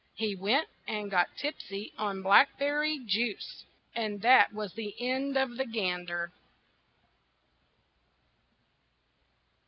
He went and got tipsy on blackberry juice, And that was the end of the gander.